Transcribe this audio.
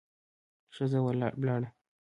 ښځه ولاړه.